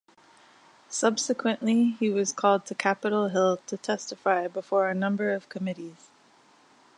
Subsequently, he was called to Capitol Hill to testify before a number of committees.